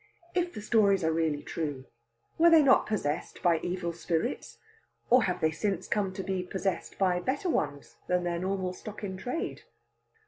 If the stories are really true, were they not possessed by evil spirits? Or have they since come to be possessed by better ones than their normal stock in trade?